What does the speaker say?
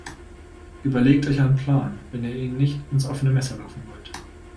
Überlegt euch einen Plan, wenn ihr ihnen nicht ins offene Messer laufen wollt.